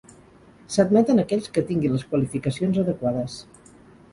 S'admeten aquells que tinguin les qualificacions adequades.